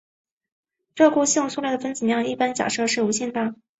热固性塑料的分子量一般假设是无限大。